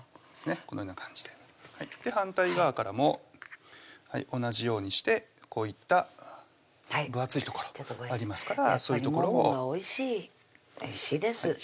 このような感じで反対側からも同じようにしてこういった分厚い所ありますからやっぱりももがおいしいおいしいです